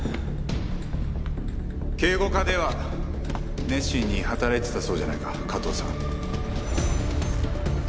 警護課では熱心に働いてたそうじゃないか加藤さん。